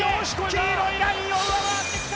黄色いラインを上回ってきた！